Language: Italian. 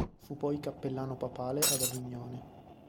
Fu poi cappellano papale ad Avignone.